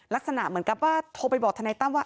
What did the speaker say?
ลักษณะเหมือนกับว่าโทรไปบอกทนายตั้มว่า